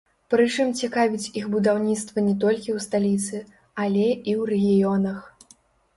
Прычым цікавіць іх будаўніцтва не толькі ў сталіцы, але і ў рэгіёнах.